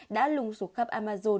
đã lùng xuống khắp amazon để tiêm chủng